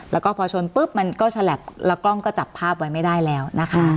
แล้วก็พอชนปุ๊บมันก็ฉลับแล้วกล้องก็จับภาพไว้ไม่ได้แล้วนะคะ